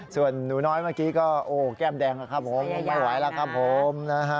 ส่วนนูน้อยเมื่อกี้ก็แก้มแดงครับผมไม่ไหวแล้วครับผม